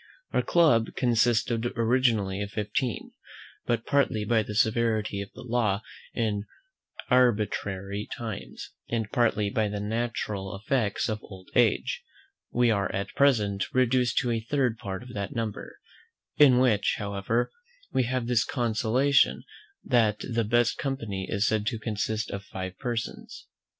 Our club consisted originally of fifteen; but, partly by the severity of the law in arbitrary times, and partly by the natural effects of old age, we are at present reduced to a third part of that number: in which, however, we have this consolation that the best company is said to consist of five persons.